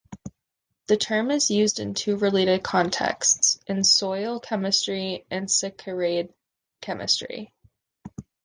The term is used in two related contexts, in soil chemistry and saccharide chemistry.